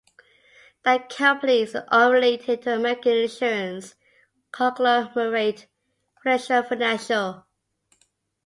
That company is unrelated to the American insurance conglomerate, Prudential Financial.